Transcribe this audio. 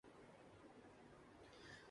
زندگی کی سرگزشت میں ہار گیا ہوں۔